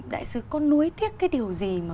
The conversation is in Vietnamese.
đại sứ có nuối tiếc cái điều gì mà